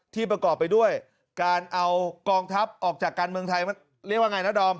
ประกอบไปด้วยการเอากองทัพออกจากการเมืองไทยเรียกว่าไงนะดอม